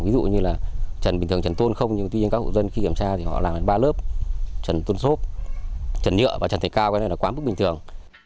ví dụ như là trần bình thường trần tôn không nhưng tuy nhiên các hộ dân khi kiểm tra thì họ làm đến ba lớp trần tôn xốp trần nhựa và trần thạch cao cái này là quá mức bình thường